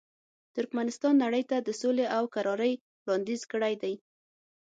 ترکمنستان نړۍ ته د سولې او کرارۍ وړاندیز کړی دی.